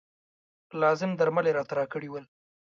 لازم درمل یې راته راکړي ول.